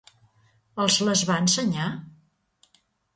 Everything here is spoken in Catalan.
Els les va ensenyar?